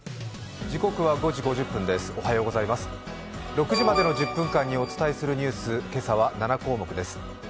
６時までの１０分間にお伝えするニュース、今朝は７項目です。